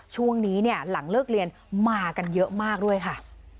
ช่วงนี้เนี่ยหลังเลิกเรียนมากันเยอะมากด้วยค่ะ